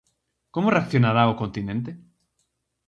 Como reaccionará o continente?